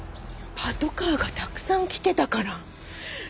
パトカーがたくさん来てたからねえ。